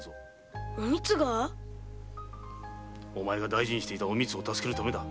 大事にしていたおみつを助けるためだ